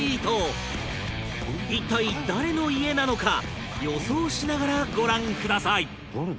一体誰の家なのか予想しながらご覧ください